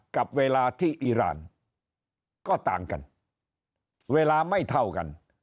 กับเวลาที่อีรานก็ต่างกันเวลาไม่เท่ากัน